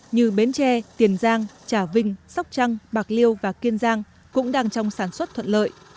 như bến tre tiền giang trà vinh sóc trăng bạc liêu và kiên giang cũng đang trong sản xuất thuận lợi